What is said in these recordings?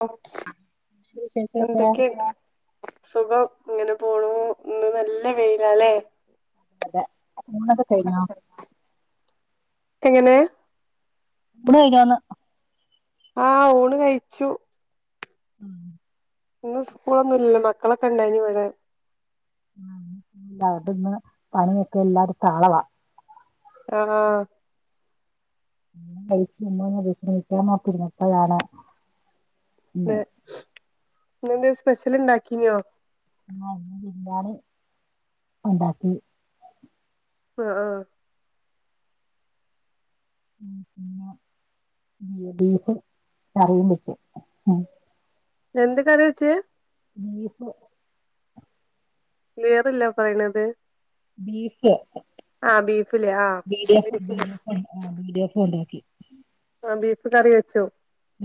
[unintelligible] വിശേഷൊക്കെ ന്തക്കയാ. സുഖം ഇങ്ങനെ പോണ്ണൂ ഇന്ന് നല്ല വെയിലാലേ അതെ നിങ്ങത്ക്കയിഞ്ഞോ. എങ്ങനെ ഊണ് കയിഞ്ഞോന്ന്. ആഹ് ഊണ് കയിച്ചു. ഉം. ഇന്ന് ഉസ്ക്കൂളൊന്നുല്ലലോ മക്കളൊക്കെ ഇണ്ടേനി ഇവിടെ ആ [inaudible] ന്താ അതന്ന് പണിയൊക്കെ ല്ലാടതുംതാളവാ ആഹാ [unintelligible] പ്പഴാണ് നെ ന്നന്തേ സ്പെസൽ യിണ്ടാക്കീനോ ആ ന്ന് ബിര്യാണി ഇണ്ടാക്കി ആ ആ [unintelligible] ബീ ഡി ഫ് കറിയും വെച്ച് ഉം എന്ത് ക്കറി വച്ചേ ബീഫ് ക്ലിയറില്ല പറയണത് ബീഫ് ആഹ് ബീഫില്ലേ ആഹ് ബീ ഡ്യ ഫ് ബീഫ് ബീ ഡ്യ ഫാണ് ആ ബീ ഡ്യ ഫ് പോണ്ടാക്കി ആ ബീഫ് കറി വെച്ചോ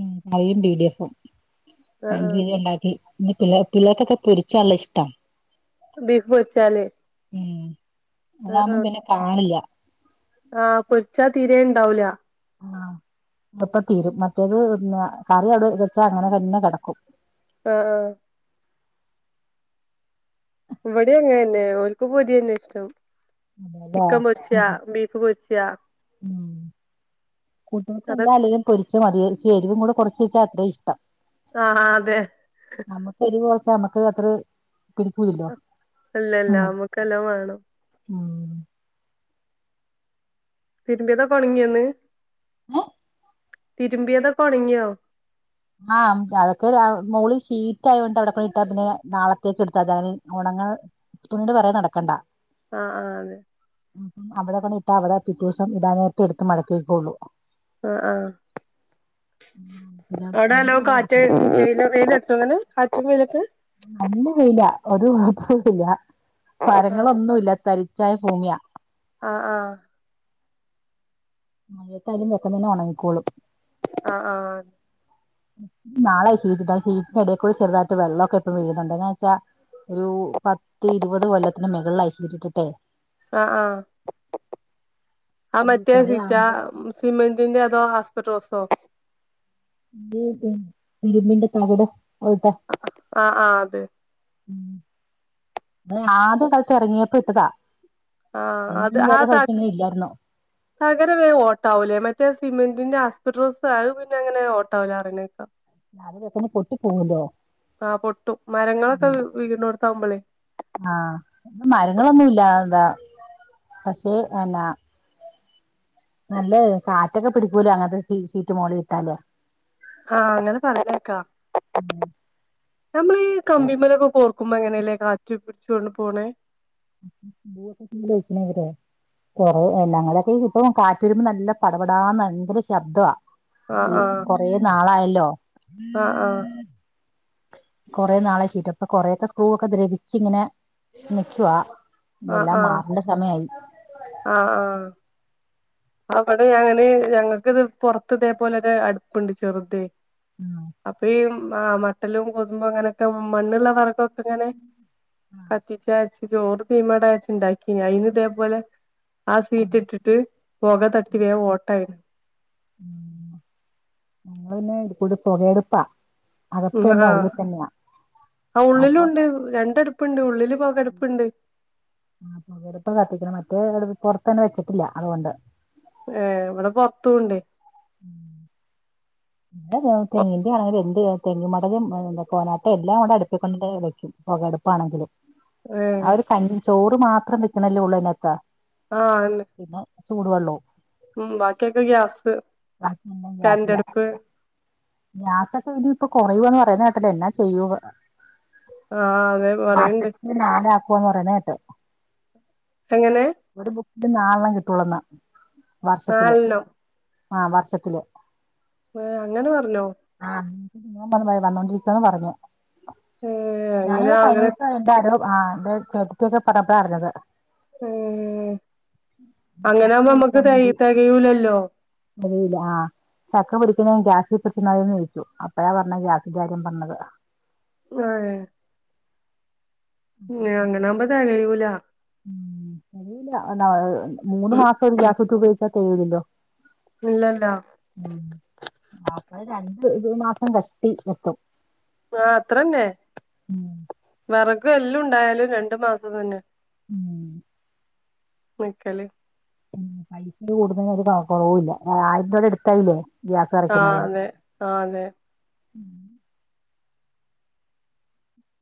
ഉം യും ബീ ഡി എഫും ആഹ് രണ്ട് ആഹ് രീതി ഇണ്ടാക്കി ഇ പിള്ളേ പിള്ളേക്കൊക്കെ പൊരിച്ചാണല്ലഷ്ട്ടം ബീഫ് പൊരിച്ചാല് ഉം അതാകുമ്പോം പിന്നെ കാണില്ല ആ പൊരിച്ചാ തീരെ ണ്ടാവൂല ആ എപ്പ തീരും മറ്റേത് നേ കറി അവിടെ വെച്ചാ അങ്ങനെ തന്നെ കെടക്കും ആഹ ആഹ ഇവിടെ അങ്ങനന്നെ ഓൽകും പൊരി തന്നെ ഇഷ്ടം അതെല്ലേ ചിക്കൻ പൊരിച്യ ബീഫ് പൊരിച്യ കൂട്ട്യോൾക്ക് അതൊ അലാ അല്ലേലും പൊരിച്ച മതി ഇത്തിരി എരിവും കൂടി കുറചേച്ചാൽ അത്രയും ഇഷ്ടം ആ ആഹ അതെ പ നമ്മക്ക് അതറ് അല്ല അല്ല നമ്മുക്കെല്ലാം വേണം ഉം തിരുമ്പിദൊക്കെ ഒണങ്ങിയ ന്ന് ഏഹ് തിരുമ്പിയതൊക്കെ ഒണങ്ങിയോ ആഹ് അതൊക്കെ മോള് ഷീറ്റ് ആയോണ്ട് അവിടെ ഒക്കെ ഇട്ടാ പിന്നെ നാളത്തേക്ക് എടുത്താ അതാ ഒണ്ണ ന്നാ തുണീട് പെറകെ നടക്കണ്ട ആഹ ആഹ അത് മ്മ് അവിടെ കൊണ്ട്‌ ഇട്ട അവിടെ പിറ്റെസം ഇടാൻനേരത്ത് എടുത്ത് മടക്കി ക്കൊള്ളു ആഹ ആഹ പിനെ അവിടെ നല്ലോ കാറ്റ് വെയില് തട്ടോ കാറ്റും വെയിലൊക്കെ നല്ല വെയില ഒരു [unintelligible] ആഹ് മരങ്ങളൊന്നുംല്ല തരി [unintelligible] ഭൂമ്യ ആ ആ മഴേത്തായാലും പെട്ടെന്നെന്നെ ഒണങ്ങിക്കോളും ആആ നാളെ ഷീറ്റിട്ടാ ഷീറ്റിന് ഇടേക്കൂടെ ചെുതായിട്ട് വെള്ളൊക്കെ ഇപ്പം വീഴുന്നുണ്ട് എങ്ങാ വെച്ചാ ഒരു പത്ത് ഇരുപത് കൊല്ലത്തിന്റെ മെകളിലായി ഷീറ്റിട്ട്ട്ട് അ ആ ആ ഈ മറ്റേ കൊറേ ശീറ്റ ആവുമ്പോ സിമെന്റിന്റെ അതോ ആസ്പറ്റോസോ [unintelligible] ഇരുമ്പിന്റെ തകിട് ആഹ് ആഹ് അതെ [unintelligible] ആദ്യ കാലത്ത് എറങ്ങിയപ്പോ ഇട്ടതാ ആ അത് അന്നൊന്നും ആ വേറെ ത സ്ഥലത്ത് ഇങ്ങനെ ഇല്ലായിരുന്നു തകരം വേ ഓട്ടാവൂലേ മറ്റേ സിമെന്റിന്റെ ആസ്പറ്റോസ അത് പിന്നെ അങ്ങനെ ഓട്ടോവൂല പറയ്നേക്ക അത് പെട്ടന്ന് പൊട്ടിപോവല്ലോ ആഹ് പൊട്ടും മരങ്ങളൊക്കെ അതേ വീണോടുത്താവുമ്പളേ ആ മരങ്ങളൊന്നും ഇല്ല [unintelligible] പക്ഷേ എന്ന നല്ല കാറ്റൊക്കെ പിടിക്കൂലേ അങ്ങനത്തെ സീറ്റ് മോളില്ട്ടാല് ആ അങ്ങത് പറയ്ണ കേക്കാ നമ്മളീ കമ്പിമ്മലൊക്കെ കോർക്കുമ്പോ എങ്ങനെല്ലേ കാറ്റ് പിടിച്ചോണ്ട് പോണേ [unintelligible] കൊറേ ഞങ്ങളൊക്കെ ഇപ്പൊ കാറ്റ് വരുമ്പോ നല്ല പടപടാന്ന് ഭയങ്കര ശബ്ദ ആഹ് ആഹ് കൊറേ നാളായല്ലോ ആഹ് ആഹ് കൊറെ നാളെ [unintelligible] കൊറെക്കെ സ്‌ക്രൂ ക്കെ ദ്രവിച്ച്ങ്ങനെ നിക്കുവാ എല്ലാം മാറേണ്ട സമായി ആ ആ അവിടെ ഞങ്ങന് ഞങ്ങക്ക് ഇത് പൊറത്ത് ഇതേപോലെ ഒരു അട്പ്പ്ണ്ട് ചെറുതെ ഉം അപ്പ ഈ ആ മട്ടലും കൊതുമ്പും അങ്ങനൊക്കെ മണ്ണ്ള്ള വെറകൊക്കെ പ്പങ്ങനെ കത്തിച്ച ച്ച് ചോറ് തീമട ച്ച് ണ്ടാക്കി അതിന് ഇതേപോലെ ആ സീറ്റ് ഇട്ടിട്ട് പൊക തട്ടി വേം ഓട്ടായിണ് ആ ഞങ്ങള് പിന്നെ ഇത് കൂടി പൊകടുപ്പാ അതൊക്കെ തന്നെ ആഹ് ഉള്ളിൽ തന്ന്യ ആ ഉള്ളിലും അപ്പൊ ഉണ്ട് രണ്ടടുപ്പുണ്ട് ഉള്ളില് പൊകടുപ്പുണ്ട് ആ പൊകട്പ്പ കത്തിക്ക്ന്നെ മ [unintelligible] പൊറത്തെന്നെ വെച്ചിട്ടില്ല അതോണ്ട് ഏ ഇവിടെ പൊറ്ത്തുണ്ട് [unintelligible] തെങ്ങിന്റെ ആണെങ്കിലും എന്തെ തെങ്മടലും [unintelligible] എല്ലാം കൂടെ അടുപ്പിക്കൊണ്ട വെക്കും അടുപ്പാണെങ്കിലും ആ ഏഹ് ഒരു കഞ്ഞി ചോറ് മാത്രം വെക്ക്ണല്ലേ ഉള്ളൂ ഇതിനാത്ത് ആ അന്നെ ചൂടു വെള്ളം ഉം ബാക്കിയൊക്കെ ഗ്യാസ് ബാക്കി എല്ലാം ഗ്യാസിലാ കരന്റടുപ്പ് ഗ്യാസൊക്കെ എനി ഇപ്പൊ കൊറയുന്ന് പറയുന്ന കേട്ടല്ലോ എല്ലാ ചെയ്യൂ ആഹ് അതെ പറയണ്ട് മാശത്തില് നാലാക്കുവന്ന് പറയുന്ന കേട്ട് എങ്ങനെ ഇത് നാൽണ്ണം കിട്ടൂളന്നാ നാല് എണ്ണം ആ വർഷത്തില് ഏ അങ്ങനെ പർനോ? മോൻ പറഞ്ഞ് വന്നോണ്ടിരിക്കാന്ന് പറഞ്ഞ്. ഏഹ് അങ്ങനെ ഞാനിത് കഴിഞ്ഞ അങ്ങനെ ദിവസം എൻ്റാരോ ആഹ എ ചേട്ടത്തിക്കെ പറപ്പടാരഞ്ഞത് ഉ അങ്ങനെ ചക്ക നമ്മുക്ക് പൊരിക്കാൻ ത വേണ്ടി തകയൂലല്ലോ [unintelligible] ചക്ക കുടിക്കുന്ന ഗ്യാസിൽപ്പിച്ചെന്നന്ന് ചോച്ചു അപ്പഴാ പറഞ്ഞ ഗ്യാസി കാര്യം പറഞ്ഞത് ആഹ ഉം അങ്ങനാമ്പ തെകയൂല ഉല്ല മൂന്ന് മാസം ഒരു ഗ്യാസുട്ട് ഉപയോഗിച്ചാ തേവടല്ലോ ഇല്ലല്ല അപ്പൾ രണ്ട് ഇ മാസം കഷ്ടി എത്തും ആ അത്രന്നെ ഉം. വിറകു എല്ലുണ്ടായാലും രണ്ടു മാസം തന്നെ ഉം നിക്കല് ഉ പൈസ കൂടുന്ന ഒരു കുറവില്ല ആയിരം രൂപയുടെ എടുത്തായില്ലേ [unintelligible] ഉം [unintelligible]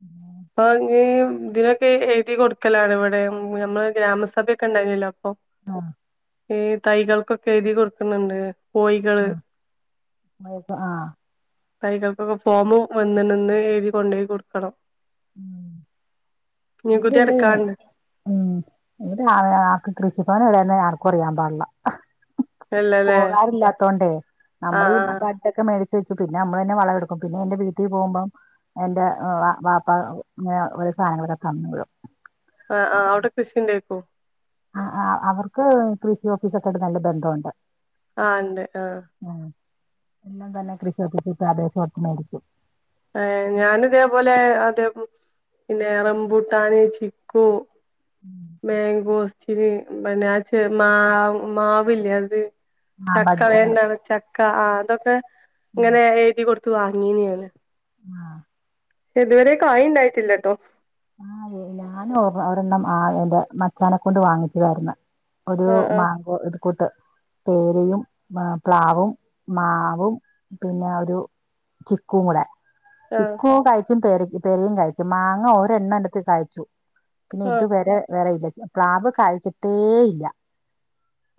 ഉ [unintelligible] അപ്പൊ ഇ ഇതിനൊക്കെ എഴുതി കൊടുക്കലാണ് ഇവിടെ നമ്മള് ഗ്രാമസഭയൊക്കെ ഉണ്ടായിുന്നല്ലോ അപ്പൊ ആഹ ഈ തൈകൾക്കൊക്കെ എഴുതി കൊടുക്കുന്നുണ്ട് കോഴികള് ആഹപ്പ ആഹ കൈകൾക്കൊക്കെ ഫോമ വന്ന് നിന്ന് എഴുതി കൊണ്ടപോയി കൊടുക്കണം ഉം നമ്മുടെ നികുതി ഇവിടെ അടക്കാണ്ട് ഉ ഇവിടെ ആ ആക്ക് കൃഷി ചിപ്പനവി തന്നെ ആർക്കും അറിയാൻ പാടില്ല ഇല്ലല്ലേ പോകാറില്ലാത്തോണ്ടേ നമ്മള് ആഹ് ആഹ് ബൊക്കെ മ പിന്നെ നമ്മൾ തന്നെ വളംെടുക്കും പിന്നെ എ വീട്ടിൽ പോകുമ്പം എന്റെ അപ്പങ്ങന ഒരു സാധനംങ്ങള തന്ന വിടും ആ ആ് അവിടെ കൃഷിന്റെേക്കോ ആ അവർക്ക് കൃഷി ഓഫീസൊക്കെട്ട് നല്ല ബന്ധമുണ്ട് ആ ഉണ്ട് ആഹ ഉം. എല്ലാം തന്നെ കൃഷി ഒത്തിിച്ചിട്ട പ്രദേശം ഒട്ടു മേടിച്ചു ഏ ഞൻ ഇതേപോലെ അത പിന്നെ എറംപൂട്ടാൻ ചിക്കു ബേങ്കോസ്റ്റന് പിന്നെച്ച മാ മാവ ഇല്ലത് ആഹ് ചക്ക ബഡ് വേണ്ട ചക്ക ആ അതൊക്കെ ഇങ്ങനെ ആഹ് എഴുതി കൊടു വാങ്ങിയനെയാണ് ഇതുവരെക്കെ ആ ഉണ്ടായിട്ടില്ലട്ടോ ആത ഞാനും ഓ അവരെന്ന ആ എൻറെ മച്ചാനെ കൊണ്ട് വാങ്ങിച്ചതായിുന്ന ഒരു ആഹ് ആഹ് മാങ്കോ എ കൂട്ട് പേരയും പ്ലാവും മാവും പിന്നെ ഒരു ചിക്കും കൂടെ ആഹ് ചിക്കുവ കഴിക്കും പ പെരയും കഴിക്കും മാങ്ങ ഒഓരെണ്ണ എടുത്ത് കഴച്ചു പിന്നെ ഇത് ആഹ് വരെ വറെയില്ല പ്ലാാവ് കഴിച്ചിട്ടേ ഇല്ല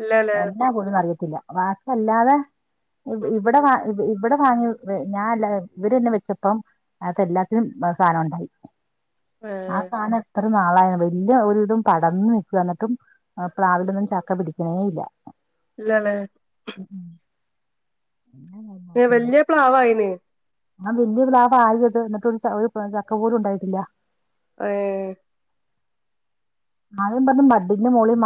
ഇല്ലല്ലേ എല്ലാ പോന്നും അറിയത്തില്ല വാക്കല്ലാതെ ഉം ഉം ഇവിടെ വ ഇവിടെ വാങ്ങി ഞാൻല്ല ഇവടെ തന്നെ വെച്ചപ്പം അ എല്ലാത്തിനും സാധനം ഉണ്ടായി ആഹ ഏഹ് താന എത്ര നാളായ വലിയ ഒരുരിതും പടന്നു നിക്കു എന്നിട്ടും പ്ലാവിലൊന്നും ചക്ക പിടിക്കണേ ഇല്ല ഇല്ലല്ലേ വല്ിയ പ്ലവാായിന് ആ വല്യ പ്ലാവ്ആയിത് എന്നിട്ട് ഒരുചക്ക പോലും ഉണ്ടായിട്ടില്ല ഏ ആദ്യം പറഞ്ഞു ബഡിന്റെ മുകളിൽ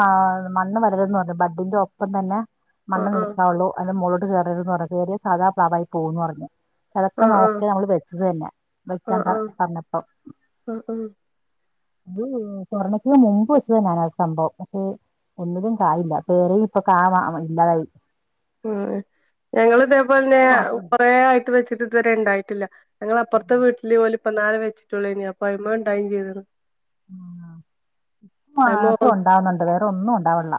മണ്ണ് വരതന്ന് പറഞ്ഞു ബഡിന്റെ ഒപ്പം തന്നെ ആഹ് മണ്ണണ് നിൽക്കാവുള്ളു അ മളോട്ട് കയറരു എന്ന് പറ കയറിയ സാധാ പ്ലാവായി പോകന്ന് പറഞ്ു അതൊക്കെ ആഹ് ആഹ് നോക്കിയ നമ്മള് വെച്ചത് തന്നെ വെക്കാൻ പറഞ്ഞപ്പം ഉം അത് സ്വർണക്കന് മുമ്പ് വെച്ച തന്നെയാണ് ആ സംഭവം പക്ഷെ ഒന്നിലും കായല്ലേറെ ഇപ്പൊ ക ഇല്ലാതായി ഉ ഞങ്ങൾ ഇതേപോലെന്നെ മാത്രമുണ്ട് കൊറെ ആയിട്ട് വെച്ചിട്ട് ഇതുവരെ ഉണ്ടായിട്ടില്ല ഞങ്ങള അപ്പുറത്തെ വീട്ടില് പോലെ ഇപ്പന്ന നേരെ വച്ചിട്ടള ഇനി അപ്പ അമ്മ ഉണ്ടം ചെയ്ത ആ ഇപ്പ അയ്മ മാത്രം ഉണ്ടാവുന്നുണ്ട് വേറെ ഒന്നും ഉണ്ടാവില്ല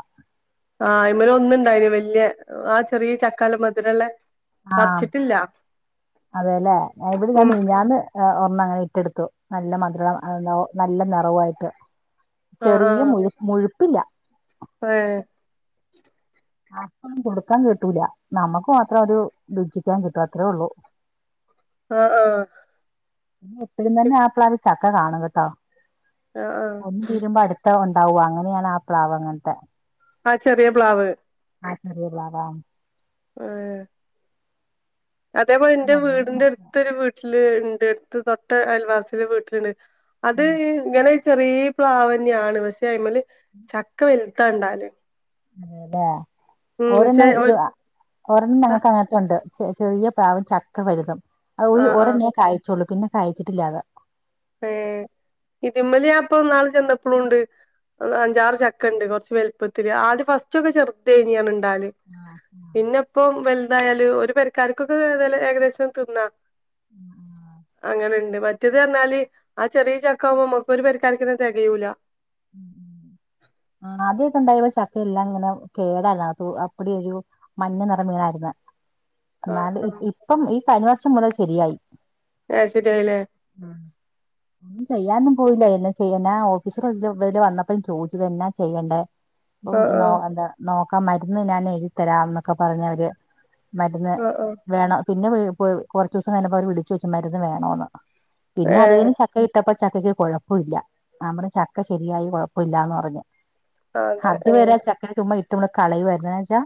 ആഹ ഇ്മല ഒന്ന ഇണ്ടായിന് വല്ിയ ആ ചെറിയ ചക്കാല മധുരുള്ള പറിച്ചിട്ടില്ല അതെയല്ലെ ഇവിടെ ഞാൻ ഉം മീഞ്ഞാന്ന് അങ്ങനെ ഇറ്റെടുത്തു നല്ല മധുരം നല്ല കുറവായിട്ട് ആഹ് ചെറിയ ആഹ് മുഴു മുഴുപ്പില്ല ഇ ആർക്കും കൊടുക്കാൻ കിട്ടൂല നമുക്ക് മാത്രം അത് രുചിക്കാൻ കിട്ടും അത്രേ ഉള്ളു ആ ആ എപ്പോഴും തന്നെ ആപ്പ്ളവി ചക്ക കാണ കേട്ടോ ആഹ് ഒന്ന തീരുമ്പോ അടുത്ത ഉണ് പാവ അങ്ങനെയാണ് ആ പ്ലാവ് അങ്ങനത്തെ ആ ചെറിയ പ്ലാവ് ആക്കറിയാവ ആ അതേപോലെ എന്റെ നല്ല വീടിന്റെ മധുരം അടുത്തൊരു വീട്ടില് ഉണ്ട് അടുത്ത് തൊട്ട അയൽവാസിൽ വീട്ടിലുണ്ട് അത് ഉം ഇങ്ങനെ ചെറിയ പ്ലാവന്നെയാണ് പക്ഷെ അയ്മല് ചക്ക വൽ ത ഇണ്ടാവൽ അതെ അതെ ഓരെണ്ണം ഇത് ഒത്ത ഓരെണ്ണം ഞങ്ങക്ക് അങ്ങട്ടുണ്ട് ച ചെറിയ പാവം ചക്ക വലുതും അത് ആഹ് ആഹ് ഒരെണ്ണം കായച്ചുള്ളൂ പിന്നെ കായച്ചിട്ടില്ലാതെ ഏ ഇതിമ്മല ഞാൻപ്പൊ നാള് ചന്തപ്പളും ഉണ്ട് അഞ്ചാറ് ചക്ക ഇണ്ട് കുറച്ച് വലുപ്പത്തിത്തില്ൽ ആദ്യം ഫസ്റ്റ് ഒക്കെ ചെറുതേനി ണ്ടാല് ആഹ് ആഹ് പിന്നെ ഇപ്പോം വലുതായല് ഒരു പരിക്കാർക്കൊക്കെതായല് ഏകദേശം തിന്നാ ആഹ് ആഹ് അങ്ങനെണ്ട് മറ്റേത് പറഞ്ഞാല് ആ ചെറിയ ചക്കാവുമ്പോ നമുക്ക് ഒരു പക്കാർരിക്കന തികയൂല മ് മ് ആദ്യൊക്കെ ഉണ്ടായപ്പോച ക എല്ലാം ഇങ്ങനെ കേടല്ല അ അപ്പടൊ ഒരു മഞ്ഞ നിറ മീനായിുന്ന ആഹ് എന്നാല് ആഹ് ഇപ്പം ഈ കഴിഞ്ഞ വർഷം മുതൽ ശരിയായി അത് ശരിയായില്ലേ ഉം ന്നും ചെയ്യന്നും പോയില്ല എന്നെ ചെയ്യാന ഓഫീസ് വല് വന്നപ്പോ [unintelligible] ചെയ്യണ്ടേ ഇപ്പം ആഹ് എന്താ ആഹ് [unintelligible] കാൻ മരുന്ന് ഞാൻ എഴുത്തരാം എന്നൊക്കെ പറഞ്ഞ അവര് മരുന്ന് ആഹ് ആഹ് വേണം പിന്നെ കുറച്ച് ദിവസം കപ്പോ അവര് വിളിച്ചു വെച്ചമാതിന്ന് വേണോന്ന് പിന്നെ അത് ഏഹ് ചക്ക ഇട്ടപ്പോ ചക്കക്ക് കൊഴപ്പ ഇല്ല നമ്മുടെ ചക്ക ശരിയായി കൊഴപ്പില്ലന്ന് പറഞ്ഞഞ് അതെ ഏഹ് അതുവരെ ചക്കണി ചുമ് ഇട്ട് മള കളയ വരുന്ന വെച്ചാ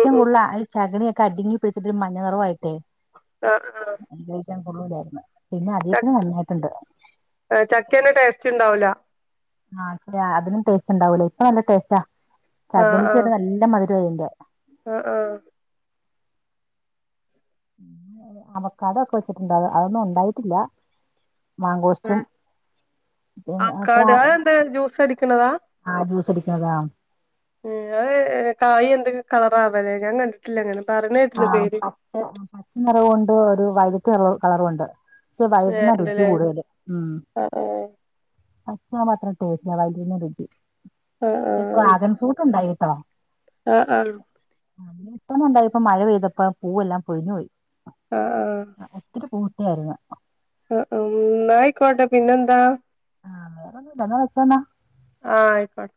ഉം ഉം കൂടുള്ള ആഈ ച കടിങ്ങി പിടിച്ചട്ട് മഞ്ഞ നിറവയിട്ടേ ആ ആ ൻ കൊള്ളൂലായിരുന്നു പിന്നെ അധത്തിെ നന്നായിട്ടുണ്ട് ചക്കേന്റെ ടേസ്റ്റ് ഉണ്ടാവൂല ആ അതിനും ടേസ്റ്റ് ഇണ്ടാവൂലേ ഇപ്പ നല്ല ടേസ്റ്റാ ചക നല്ല മതി [unintelligible] ആ ആ അവക്ക് അതൊക്കെ വെച്ചിട്ടുണ്ടോ അതൊന്നും ഇണ്ടായിട്ടില്ല മാങ്കോശും ആഹ് പി അത്ര ആക്കാട് അതെന്ത് ജ്യൂസ് അടിക്കണതാ ആലു പിടികണതാണ് ഉം [unintelligible] കായ് എന്തൊക്കെ കളറാവല്ലേ ഞാൻ കണ്ടിട്ടില്ല അങ്ങനെ പറഞ്ഞ ആ കേട്ടിണ് പേര് പച്ച പച്ച നിറവുണ്ട് ഒരു വൈലറ്റ് നിറ കളറുണ്ട് ക്ഷേ ഏഹ് വൈലറ്റിന രുചി ഉണ്ടല്ലേ കൂടുതല് ഉം ആഹ് ആത്ര മാത്രം ടേസ്റ്റ് വഴുതനാവെട്ടി ആഹ് ആഹ് ക്ഷേ ഡ്രാഗൺ ഫ്രൂട്ട് ഉണ്ടായി കേട്ടോ ആ ആം അതിനിപ്പം ഉണ്ടായിപ്പം മഴ പെയ്തപ്പം പൂവെല്ലാം പൊഴിഞ്ഞു പോയി ആ ആ തായിരുന്നു ആ അം ആയിക്കോട്ടെ പിന്നെന്താ ആ വേറൊന്നും ഇല്ല എന്ന വെച്ചോന്നാ ആ ആയിക്കോട്ടെ